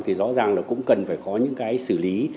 thì rõ ràng là cũng cần phải có những cái xử lý